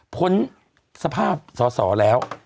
พ้นสภาพสอสอแล้ว